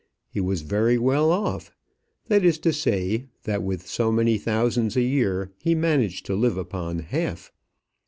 He was very well off; that is to say, that with so many thousands a year, he managed to live upon half.